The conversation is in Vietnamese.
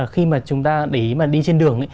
khi mà chúng ta để ý mà đi trên đường ấy